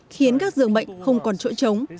khiến các dường bệnh không còn chỗ chống